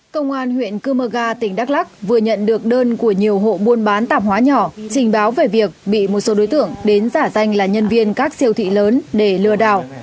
công an huyện cơ mơ ga tỉnh đắk lắc vừa nhận được đơn của nhiều hộ buôn bán tạp hóa nhỏ trình báo về việc bị một số đối tượng đến giả danh là nhân viên các siêu thị lớn để lừa đảo